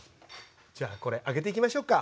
じゃあこれ揚げていきましょうか。